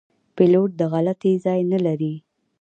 پیلوټ د غلطي ځای نه لري.